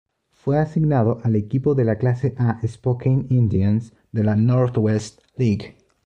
Fue asignado al equipo de clase "A" "Spokane Indians" de la Northwest League.